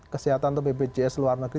kesehatan atau bpjs luar negeri